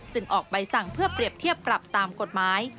ออกใบสั่งเพื่อเปรียบเทียบปรับตามกฎหมาย